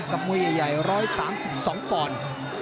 กับมวยใหญ่๑๓๒ปอนด์